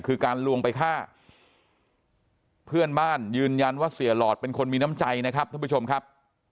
คือการลวงไปฆ่าเพื่อนบ้านยืนยันว่าเสียหลอดเป็นคนมีน้ำใจนะครับท่านผู้ชมครับ